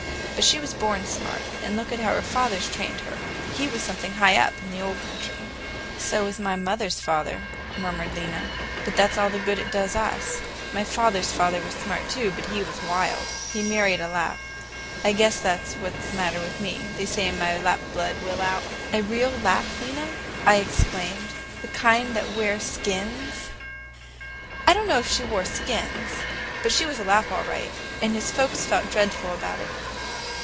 But she was born smart—and look how her father's trained her! He was something high up in the old country." "So was my mother's father," murmured Lena, "but that's all the good it does us! My father's father was smart, too, but he was wild. He married a Lapp. I guess that's what's the matter with me; they say Lapp blood will out." "A real Lapp, Lena?" I exclaimed. "The kind that wear skins?" "I don't know if she wore skins, but she was a Lapp all right, and his folks felt dreadful about it.